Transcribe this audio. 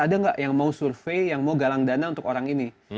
ada nggak yang mau survei yang mau galang dana untuk orang ini